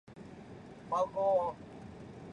体大深褐色鸭。